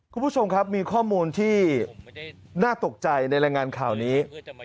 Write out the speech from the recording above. คุณผู้ชมครับมีข้อมูลที่น่าตกใจในรายงานข่าวนี้